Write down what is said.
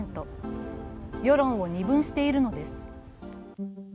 世論を二分しているのです。